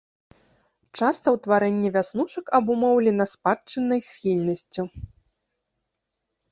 Часта ўтварэнне вяснушак абумоўлена спадчыннай схільнасцю.